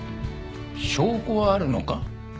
証拠はあるのか？